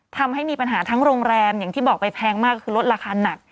ทำให้มีปัญหาทั้งโรงแรมอย่างที่บอกไปแพงมากก็คือลดราคาหนัก